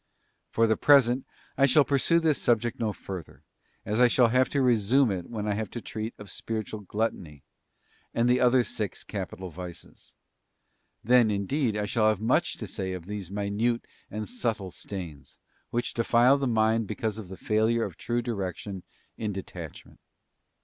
For the present, I shall pursue this subject no further, as I shall have to resume it when I have to treat of spiritual gluttony, and the other six capital vices. Then, indeed, I al ce he ALL VISIONS TO BE DISREGARDED. 131 shall have much to say of these minute and subtle stains, which defile the mind because of the failure of true direction in detachment.